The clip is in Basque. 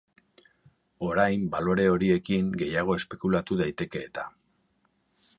Orain balore horiekin gehiago espekulatu daiteke eta.